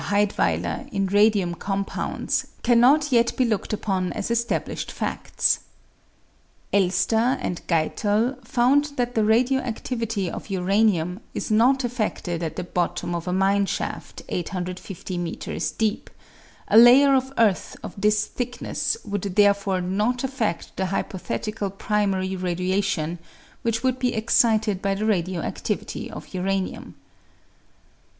Heydweiller in radium compounds cannot yet be looked upon as established fads. Elster and Geitel found that the radio activity of uranium is not affected at the bottom of a mine shaft S50 m. deep ; a layer of earth of this thickness would therefore not affed the hypothetical primary radiation which would be excited by the radio adivity of uranium.